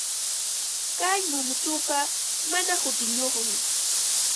Kay muusuqa mana hutiyuqmi.